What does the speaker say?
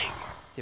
で